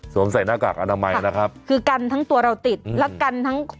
ใส่หน้ากากอนามัยนะครับคือกันทั้งตัวเราติดแล้วกันทั้ง